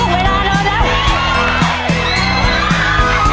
เท่าแรก